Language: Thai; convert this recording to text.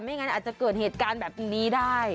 งั้นอาจจะเกิดเหตุการณ์แบบนี้ได้